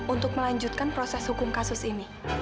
untuk melanjutkan proses hukum kasus ini